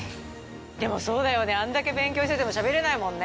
でもそうだよねあんだけ勉強しててもしゃべれないもんね。